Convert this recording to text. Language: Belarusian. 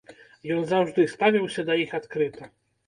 Ён заўжды ставіўся да іх адкрыта.